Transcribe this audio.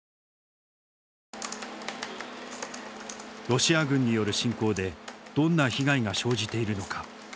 ロシア軍による侵攻でどんな被害が生じているのか。